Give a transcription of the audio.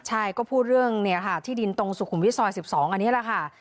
ใช่ก็พูดเรื่องที่ดินตรงสุขุมวิทซอย๑๒อันนี้แหละค่ะ